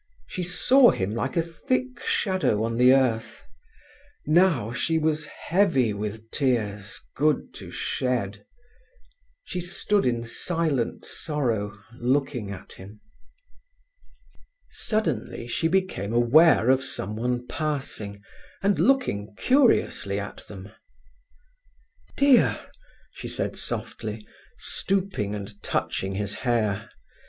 She saw him like a thick shadow on the earth. Now she was heavy with tears good to shed. She stood in silent sorrow, looking at him. Suddenly she became aware of someone passing and looking curiously at them. "Dear!" she said softly, stooping and touching his hair.